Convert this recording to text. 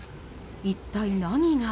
一体、何が。